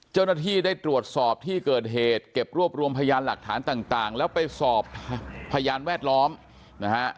เจ้าหน้าที่ได้ตรวจสอบที่เกิดเหตุเก็บรวบรวมพยานหลักฐานต่างแล้วไปสอบพยานแวดล้อมนะฮะ